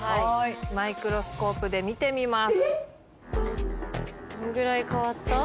マイクロスコープで見てみます